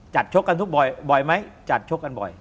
ชกกันทุกบ่อยไหมจัดชกกันบ่อย